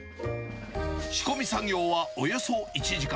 仕込み作業はおよそ１時間。